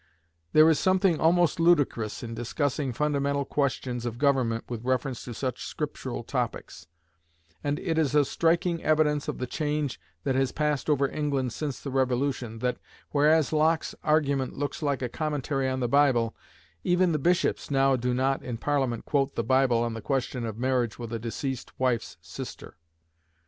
There is something almost ludicrous in discussing fundamental questions of government with reference to such scriptural topics; and it is a striking evidence of the change that has passed over England since the Revolution, that, whereas Locke's argument looks like a commentary on the Bible, even the bishops now do not in Parliament quote the Bible on the question of marriage with a deceased wife's sister.